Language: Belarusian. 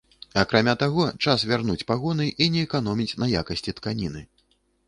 Акрамя таго, час вярнуць пагоны і не эканоміць на якасці тканіны.